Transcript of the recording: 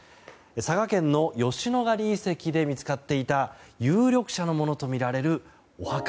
佐賀県の吉野ヶ里遺跡で見つかっていた有力者のものとみられるお墓。